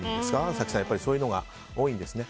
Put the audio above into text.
早紀さん、そういうのが多いんですね。